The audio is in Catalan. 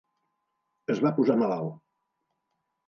Es va posar malalt.